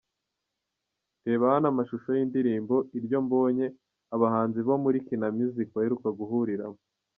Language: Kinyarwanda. Reba hano amashusho y'indirimbo 'Iryo mbonye' abahanzi bo muri Kina Music baheruka guhuriramo .